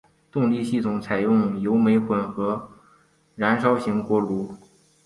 动力系统采用油煤混合燃烧型锅炉。